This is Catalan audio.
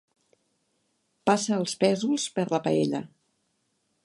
Passa els pèsols per la paella.